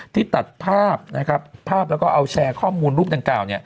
ที่ตัดภาพนะครับภาพแล้วก็เอาแชร์ข้อมูลรูปดังกล่าว